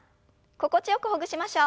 心地よくほぐしましょう。